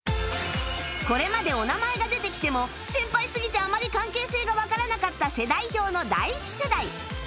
これまでお名前が出てきても先輩すぎてあまり関係性がわからなかった世代表の第１世代